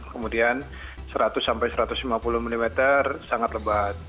kemudian seratus sampai satu ratus lima puluh mm sangat lebat